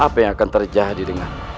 apa yang akan terjadi dengan